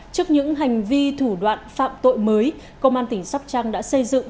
trước những hành vi thủ đoạn phạm tội mới công an tỉnh sóc trăng đã xây dựng